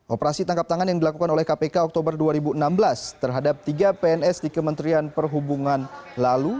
operasi tangkap tangan yang dilakukan oleh kpk oktober dua ribu enam belas terhadap tiga pns di kementerian perhubungan lalu